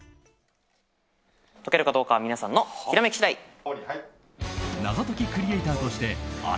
解けるかどうかは皆さんのひらめき次第。